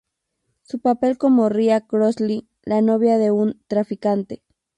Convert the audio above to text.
Su papel como Ria Crossley, la novia de un traficante.